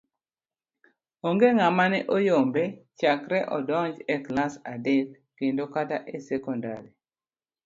Onge ng'ama ne oyombe chakre nodonj e klas adek kendo kata e sekondar.